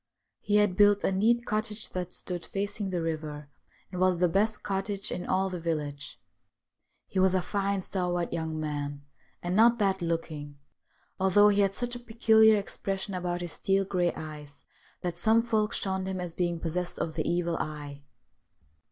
He had built a neat cottage that stood facing the river, and was the best cottage in all the village. He was a fine, stalwart young man, and not bad looking, although he had such a peculiar expression about his steel grey eyes that some folk shunned him as being possessed of the ' evil eye.'